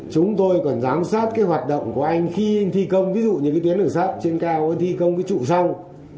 chúng tôi còn giám sát hoạt động của anh khi thi công ví dụ như tuyến lửa sáp trên cao thi công trụ sông